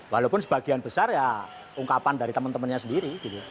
walaupun sebagian besar ya ungkapan dari teman temannya sendiri